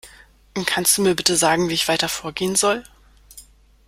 Kannst du mir bitte sagen, wie ich weiter vorgehen soll?